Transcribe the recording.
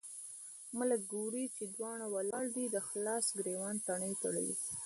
ملک ګوري چې دواړه ولاړ دي، د خلاص ګرېوان تڼۍ تړي.